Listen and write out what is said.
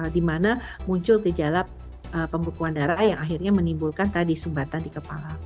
dimana muncul gejala pembekuan darah yang akhirnya menimbulkan tadi sumbatan di kepala